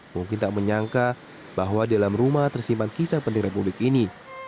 mungkin tak menyangka bahwa dalam rumah tersimpan kisah penting republik ini